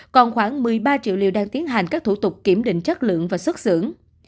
còn khoảng một mươi ba triệu liều đang tiến hành các thủ tục kiểm định chất lượng và xuất xưởng